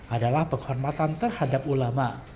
adalah penghormatan terhadap ulama